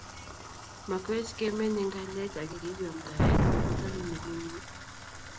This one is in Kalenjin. Makwech kemeny eng kalyet ak keriib yamdaet nebo Tamirmirienyi